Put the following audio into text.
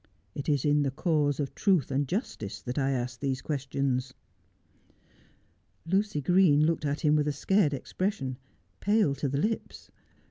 It is in the cause of truth and justice that I ask these questions.' Lucy Green looked at him with a scared expression, pale to the lips.